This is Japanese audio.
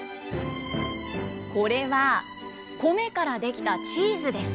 これは、コメから出来たチーズです。